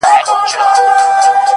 اچيل یې ژاړي، مړ یې پېزوان دی،